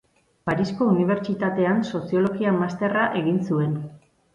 Parisko Unibertsitatean Soziologia masterra egin zuen.